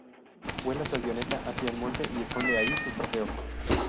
Vuela su avioneta hacia el monte y esconde ahí sus trofeos.